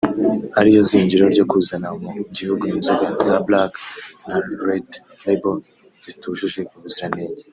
ariyo zingiro ryo kuzana mu gihugu inzoga za Black na Red label zitujuje ubuziranenge